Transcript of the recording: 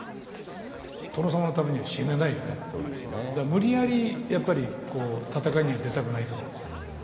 無理やりやっぱり戦いには出たくないと思うんですよね。